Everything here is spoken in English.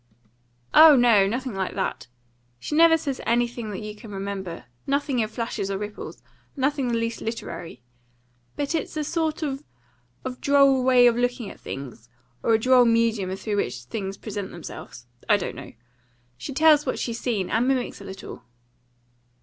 "Oh no; nothing like that. She never says anything that you can remember; nothing in flashes or ripples; nothing the least literary. But it's a sort of droll way of looking at things; or a droll medium through which things present themselves. I don't know. She tells what she's seen, and mimics a little."